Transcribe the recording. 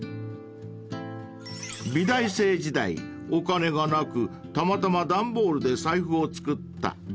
［美大生時代お金がなくたまたま段ボールで財布を作った］